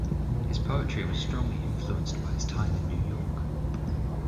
His poetry was strongly influenced by his time in New York.